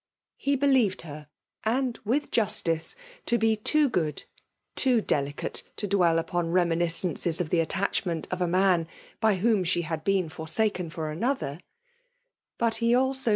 He believed her, and mth jiistice, to be too good, too delicate, to dwell upon remi niscences of the attachment of a man by whofli she had been forsaken for another ; but he abo?